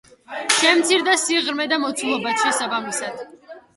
შემცირდა სიღრმე და მოცულობაც, შესაბამისად.